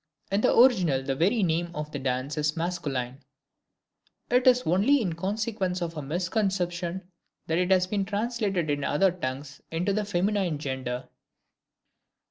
In the original the very name of the dance is masculine; it is only in consequence of a misconception that it has been translated in other tongues into the feminine gender.